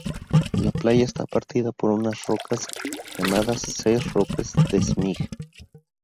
La playa está partida por unas rocas llamadas "Ses Roques des Mig".